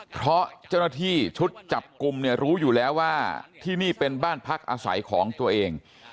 เพราะเจ้าหน้าที่ชุดจับกลุ่มเนี่ยรู้อยู่แล้วว่าที่นี่เป็นบ้านพักอาศัยของตัวเอง